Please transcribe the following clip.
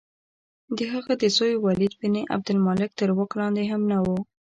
د هغه د زوی ولید بن عبدالملک تر واک لاندې هم نه وه.